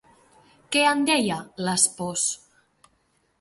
Què en deia l'espòs?